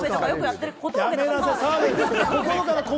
やめなさい！